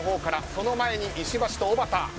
その前に石橋とおばた。